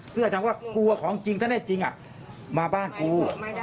เซอร์ร์ทำว่ากลัวของจริงถ้าไม่จริงมาบ้านกู